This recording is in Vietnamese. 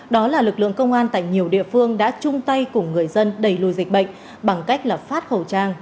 đó là lực lượng công an tại nhiều địa phương đã chung tay cùng người dân đẩy lùi dịch bệnh bằng cách là phát khẩu trang